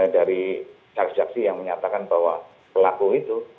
dari cakjaksi yang menyatakan bahwa pelaku itu